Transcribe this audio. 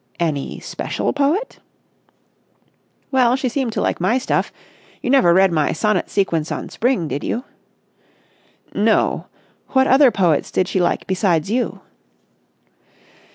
"Any special poet?" "Well, she seemed to like my stuff. You never read my sonnet sequence on Spring, did you?" "No. What other poets did she like besides you?"